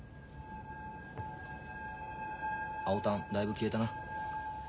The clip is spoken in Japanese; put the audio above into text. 青たんだいぶ消えたな。